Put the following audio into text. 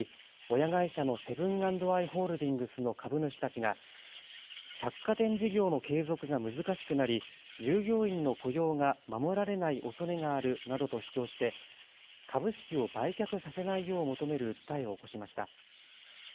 親会社のセブン＆アイ・ホールディングスの株主たちが百貨店事業の継続が難しくなり従業員の雇用が守られないおそれがあるなどと主張して株式を売却させないよう求める訴えを起こしました。